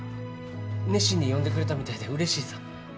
熱心に読んでくれたみたいでうれしいさ。